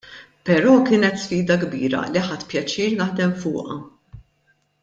Però kienet sfida kbira li ħadt pjaċir naħdem fuqha.